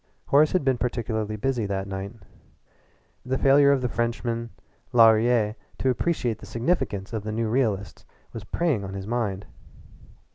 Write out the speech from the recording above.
Horace had been particularly busy that night. The failure of the Frenchman Laurier to appreciate the significance of the new realists was preying on his mind.